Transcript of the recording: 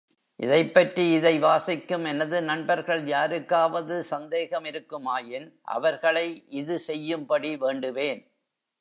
இதைப்பற்றி இதை வாசிக்கும் எனது நண்பர்கள் யாருக்காவது சந்தேகமிருக்குமாயின் அவர்களை இது செய்யும்படி வேண்டுவேன்.